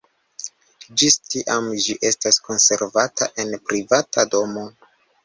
Ĝis tiam ĝi estas konservata en privata domo.